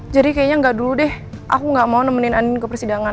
jadi kayaknya gak dulu deh aku gak mau nemenin andin ke persidangan